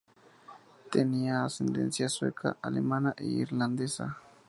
Tenía ascendencia sueca, alemana e irlandesa.